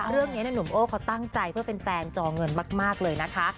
เรื่องนี้หนุ่มโอ้เขาตั้งใจเพื่อเป็นแฟนจอเงินมากเลยนะคะ